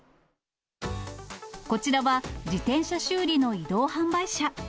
こちらは、自転車修理の移動販売車。